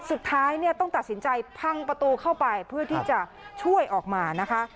สุดท้ายเนี่ยต้องตัดสินใจพังประตูเข้าไปเพื่อที่จะช่วยออกมานะคะ